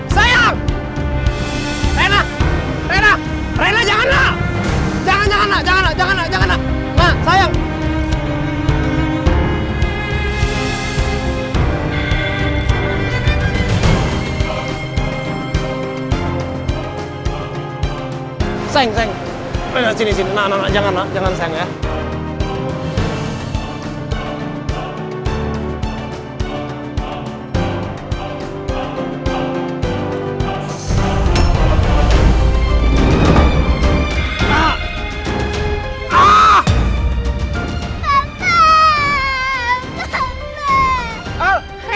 salah seperti fashionable